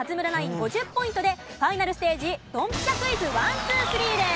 ５０ポイントでファイナルステージドンピシャクイズ１・２・３です。